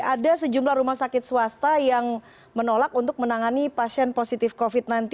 ada sejumlah rumah sakit swasta yang menolak untuk menangani pasien positif covid sembilan belas